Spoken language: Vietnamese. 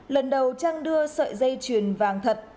lần đầu trang đưa sợi dây truyền vàng thật